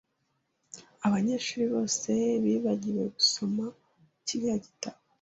Abanyeshuri bose bibagiwe gusoma kiriya gitabo.